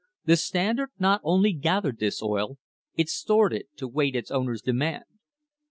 The Standard not only gathered this oil ; it stored it, to wait its owner's demand.